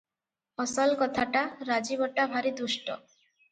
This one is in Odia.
ଅସଲ କଥାଟା, ରାଜୀବଟା ଭାରି ଦୁଷ୍ଟ ।